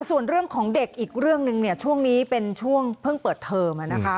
ส่วนเรื่องของเด็กอีกเรื่องหนึ่งเนี่ยช่วงนี้เป็นช่วงเพิ่งเปิดเทอม